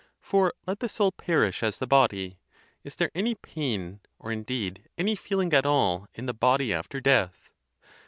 For let the soul perish as the body: is there any pain, or indeed any feeling at all, in the body after death?